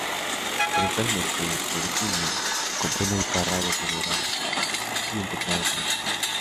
Eventualmente, Clementine compró una guitarra deteriorada y un teclado económico.